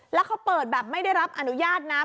แล้วเขาเปิดแบบไม่ได้รับอนุญาตนะ